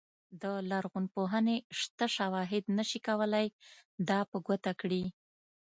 د لرغونپوهنې شته شواهد نه شي کولای دا په ګوته کړي.